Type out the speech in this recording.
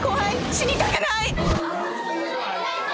死にたくない！